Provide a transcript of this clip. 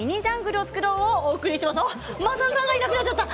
まさるさんがいなくなっちゃった。